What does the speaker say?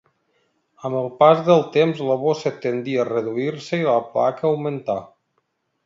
Amb el pas del temps la bossa tendí a reduir-se i la placa a augmentar.